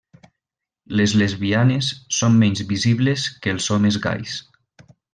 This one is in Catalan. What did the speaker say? Les lesbianes són menys visibles que els homes gais.